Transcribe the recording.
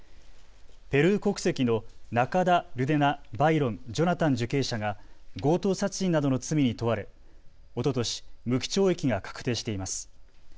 ペルー国籍のナカダ・ルデナ・バイロン・ジョナタン受刑者が強盗殺人などの罪に問われ、おととし無期懲役が確定しています。